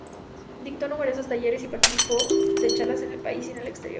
Dictó numerosos talleres y participó de charlas en el país y en el exterior.